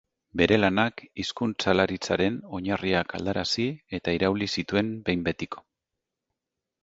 Bere lanak hizkuntzalaritzaren oinarriak aldarazi eta irauli zituen behin betiko.